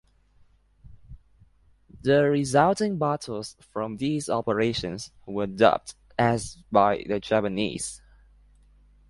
The resulting battles from these operations were dubbed as by the Japanese.